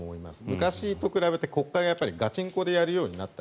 昔と比べて、国会をガチンコでやるようになった。